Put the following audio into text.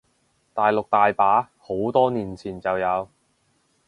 大陸大把，好多年前就有